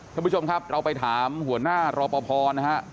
ท่านผู้ชมครับเราไปถามหัวหน้ารอปภนะฮะ